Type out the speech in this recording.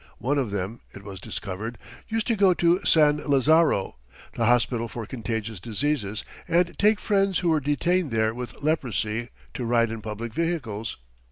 One of them, it was discovered, used to go to San Lazaro, the hospital for contagious diseases, and take friends who were detained there with leprosy to ride in public vehicles.